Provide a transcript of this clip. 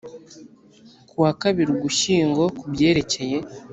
ku wa kabiri ugushyingo ku byerekeye